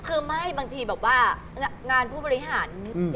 คือไม่บางทีแบบว่างานผู้บริหาร